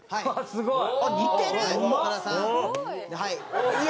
すごい！